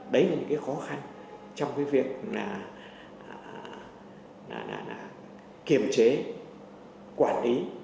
đấy là những khó khăn trong việc kiềm chế quản lý